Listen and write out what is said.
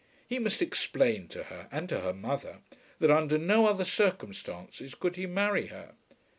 He must explain to her, and to her mother, that under no other circumstances could he marry her.